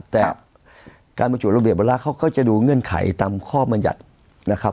แต่การประจวดระเบียบเวลาเขาก็จะดูเงื่อนไขตามข้อบรรยัตินะครับ